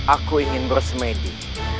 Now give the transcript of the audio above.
aku ingin bersemedi